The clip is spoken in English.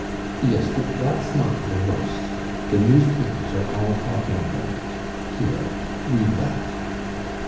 "Yes, but that's not the worst; the newspapers are all talking about it. Here, read that."